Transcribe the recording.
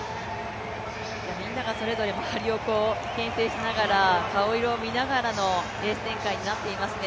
みんながそれぞれ周りを牽制しながら顔色を見ながらのレース展開になっていますね。